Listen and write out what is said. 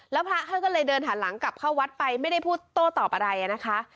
แล้วพระท่านก็เลยเดินหันหลังกลับเข้าวัดไปไม่ได้พูดโต้ตอบอะไรนะคะ